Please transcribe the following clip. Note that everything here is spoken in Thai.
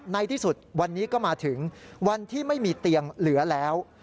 ในที่สุดวันนี้ก็มาถึงวันที่ไม่มีเตียงเหลือแล้ว